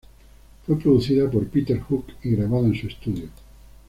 Fue producida por Peter Hook y grabada en su estudio.